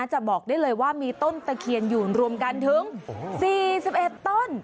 จะบอกได้เลยว่ามีต้นตะเคียนหยุ่นรวมกันถึงสี่สิบเอ็ดต้น